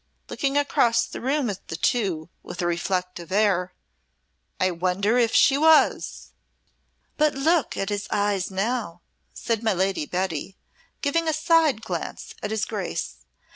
looking across the room at the two, with a reflective air, "I wonder if she was!" "But look at his eyes now," said my Lady Betty, giving a side glance at his Grace.